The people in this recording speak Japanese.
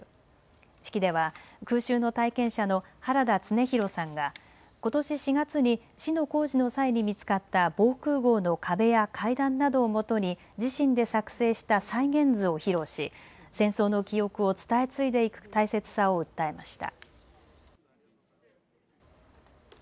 式では空襲の体験者の原田恒弘さんがことし４月に市の工事の際に見つかった防空ごうの壁や階段などをもとに自身で作成した再現図を披露し戦争の記憶を伝え継いでいく大切さを訴えました。